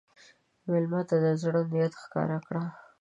مېلمه ته د زړه نیت ښکاره کړه.